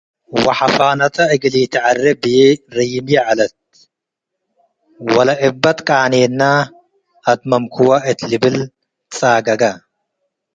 ወሐፋነተ እግል ኢተዐሬ' ብዬ ረዩምዬ ዐለት፡ ወለእበ ትቃቴነ አትመምክወፖ እት ልብል ትጻገገ።